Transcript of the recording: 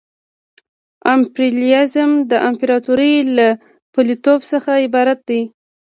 امپریالیزم د امپراطورۍ له پلویتوب څخه عبارت دی